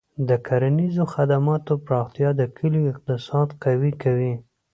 د کرنیزو خدماتو پراختیا د کلیو اقتصاد قوي کوي.